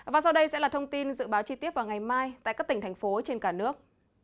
và sau đây sẽ là thông tin dự báo chi tiết vào ngày mai tại các tỉnh thành phố trên cả nước